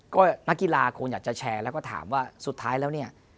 ก็นักกีฬาคงอยากจะแชร์แล้วก็ถามว่าสุดท้ายแล้วเนี่ย